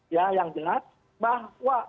ya yang jelas bahwa